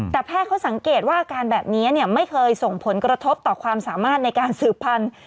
แต่แพทย์เขาสังเกตว่าอาการแบบนี้ไม่เคยส่งผลกระทบต่อความสามารถในการสืบพันธุ